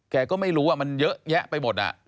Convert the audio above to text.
แกก็ไม่รู้ว่ามันเยอะแยะไปหมด